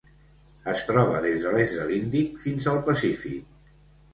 Es troba des de l'est de l'Índic fins al Pacífic.